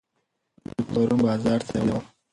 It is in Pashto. زه پرون بازار ته تللي وم